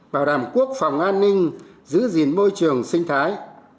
bảo đảm quốc phòng an ninh giữ gìn môi trường sinh thái